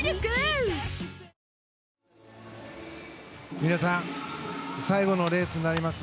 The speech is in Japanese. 皆さん最後のレースになります。